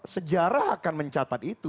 sejarah akan mencatat itu